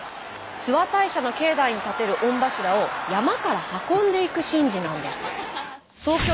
諏訪大社の境内に立てる御柱を山から運んでいく神事なんです。